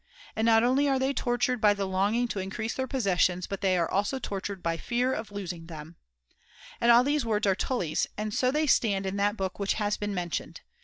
And not only are they tortured Misery by the longing to increase their possessions, but°^^.^. they are also tortured by fear [703 of losing *'*^^^" them.' And all these words are Tully's, and so they stand in that book which has been mentioned.